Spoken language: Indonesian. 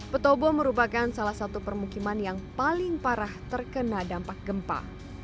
petobo merupakan salah satu permukiman yang paling parah terkena dampak gempa